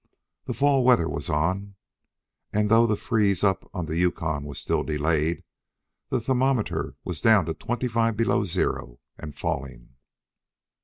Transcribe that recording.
The fall weather was on, and, though the freeze up of the Yukon still delayed, the thermometer was down to twenty five below zero and falling.